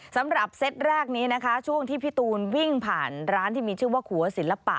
เซตแรกนี้นะคะช่วงที่พี่ตูนวิ่งผ่านร้านที่มีชื่อว่าขัวศิลปะ